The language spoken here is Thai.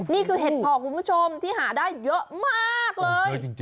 นี่คือเห็ดผอคุณผู้ชมที่หาได้เยอะมากเลย